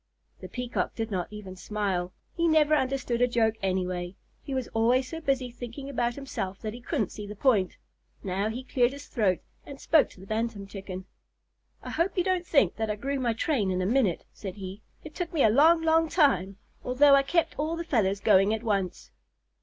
The Peacock did not even smile. He never understood a joke anyway. He was always so busy thinking about himself that he couldn't see the point. Now he cleared his throat and spoke to the Bantam Chicken. "I hope you don't think that I grew my train in a minute," said he. "It took me a long, long time, although I kept all the feathers going at once."